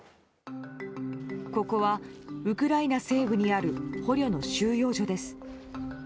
ここはウクライナ西部にある捕虜の収容所です。